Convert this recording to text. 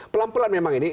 pelan pelan memang ini